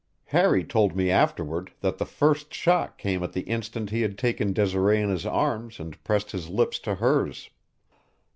Harry told me afterward that the first shock came at the instant he had taken Desiree in his arms and pressed his lips to hers.